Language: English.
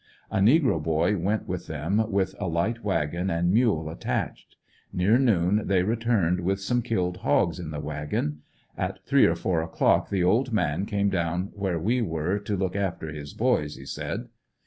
A negro boy went with them with a light wagon and mule attached. Near noon they re turned with some killed hogs in the wagon. At three or four o'clock the old man came down where we were ''to look after his boys," he said.